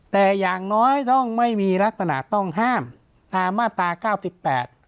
แต่อย่างน้อยต้องไม่มีลักษณะต้องห้ามตามมาตราเก้าสิบแปด